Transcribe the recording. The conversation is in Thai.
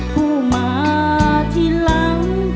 ผู้มาทีหลัง